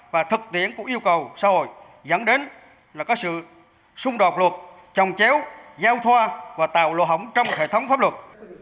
và thực tiễn của yêu cầu xã hội dẫn đến là có sự xung đột luật trồng chéo giao thoa và tạo lộ hỏng trong một hệ thống pháp luật